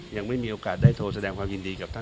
ยังไม่ได้โทรแสดงความยินดีกับท่าน